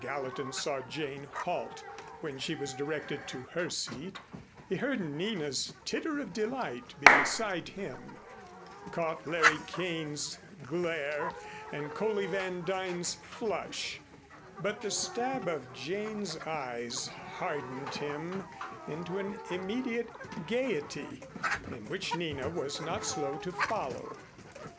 Gallatin saw Jane halt when she was directed to her seat, he heard Nina's titter of delight beside him, caught Larry Kane's glare and Coley Van Duyn's flush, but the stab of Jane's eyes hardened him into an immediate gayety in which Nina was not slow to follow.